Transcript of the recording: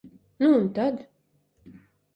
Nu un tad?